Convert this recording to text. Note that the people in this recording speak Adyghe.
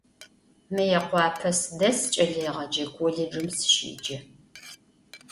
Mıêkhuape sıdes, ç'eleêğece kollêcım sışêce.